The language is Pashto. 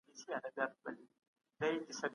د شیکسپیر د لاسلیک موندل لوی تاریخي بری و.